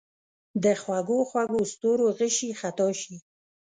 د خوږو، خوږو ستورو غشي خطا شي